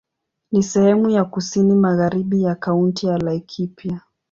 Ni sehemu ya kusini magharibi ya Kaunti ya Laikipia.